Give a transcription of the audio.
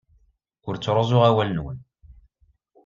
Ur ttruẓuɣ awal-nwen.